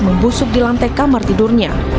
membusuk di lantai kamar tidurnya